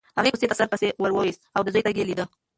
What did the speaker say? هغې کوڅې ته سر پسې وروایست او د زوی تګ یې لیده.